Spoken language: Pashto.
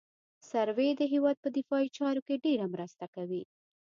سروې د هېواد په دفاعي چارو کې ډېره مرسته کوي